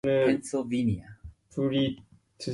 Hideyoshi's army was divided into three forces.